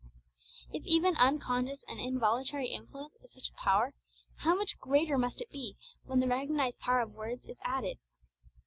_ If even unconscious and involuntary influence is such a power, how much greater must it be when the recognised power of words is added!